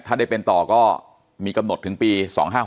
ถ้าได้เป็นต่อก็มีกำหนดถึงปี๒๕๖